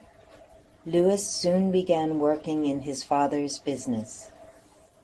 Lewis soon began working in his father's business.